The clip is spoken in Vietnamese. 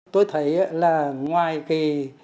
tôi thấy là ngoài cái